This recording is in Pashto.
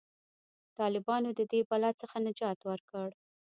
طالبانو د دې بلا څخه نجات ورکړ.